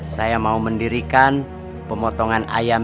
saya mau mendirikan pemotongan ayam